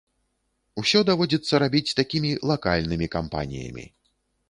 Усё даводзіцца рабіць такімі лакальнымі кампаніямі.